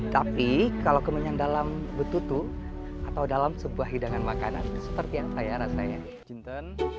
tapi kalau kemenyan dalam petutu atau dalam sebuah hidangan makanan seperti yang saya rasanya